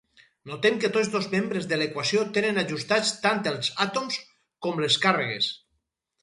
Notem que tots dos membres de l'equació tenen ajustats tant els àtoms com les càrregues.